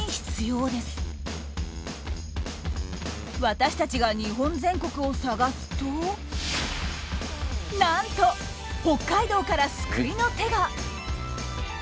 私たちが日本全国を探すとなんと北海道から救いの手が！